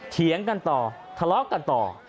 เถียงกันต่อทะเลาะกันต่อ